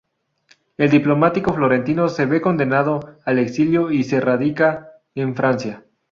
El diplomático florentino se ve condenado al exilio y se radica en Francia.